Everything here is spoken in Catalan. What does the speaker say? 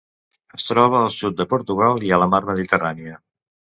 Es troba al sud de Portugal i a la Mar Mediterrània.